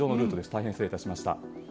大変失礼いたしました。